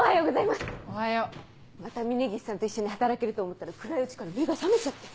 また峰岸さんと一緒に働けると思ったら暗いうちから目が覚めちゃって。